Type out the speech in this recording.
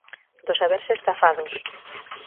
Do saberse estafados.